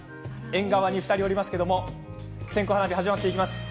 縁側に２人おりますけれど線香花火、始まっていきます。